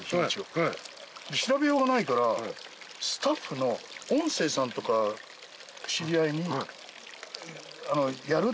調べようがないからスタッフの音声さんとか知り合いにやる？